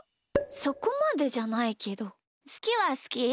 そこまでじゃないけどすきはすき。